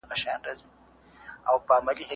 څوک د ورور په توره مړ وي څوک پردیو وي ویشتلي